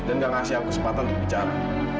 dan gak ngasih aku kesempatan untuk bicara